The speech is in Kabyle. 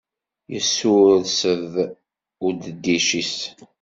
Yessurseḍ udeddic-is.